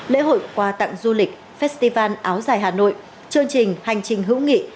lễ hội quà tặng du lịch festival áo dài hà nội chương trình hành trình hữu nghị